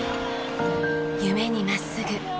夢に真っすぐ。